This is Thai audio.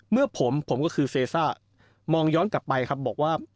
เมื่อผมผมก็คือเซซ่ามองย้อนกลับไปครับบอกว่า